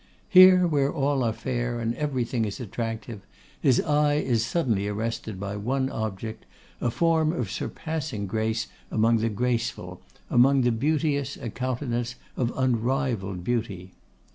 Here, where all are fair and everything is attractive, his eye is suddenly arrested by one object, a form of surpassing grace among the graceful, among the beauteous a countenance of unrivalled beauty.